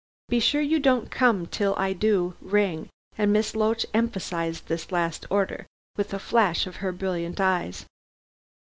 Be sure you don't come till I do ring," and Miss Loach emphasized this last order with a flash of her brilliant eyes.